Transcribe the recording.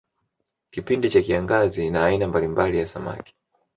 Kipindi cha kiangazi na aina mbalimbali ya samaki